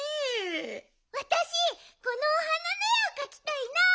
わたしこのお花のえをかきたいな！